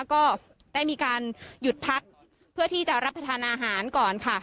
ก็ได้มีการหยุดพักเพื่อที่จะรับประทานอาหารก่อนค่ะ